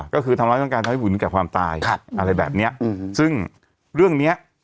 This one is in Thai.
ก็คือทำร้ายต้องการทำให้หุ่นแก่ความตายอะไรแบบเนี้ยอืมซึ่งเรื่องเนี้ย